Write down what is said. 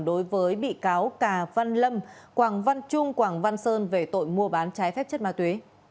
đối với bị cáo cà văn lâm quảng văn trung quảng văn sơn về tội mua bán trái phép chất ma túy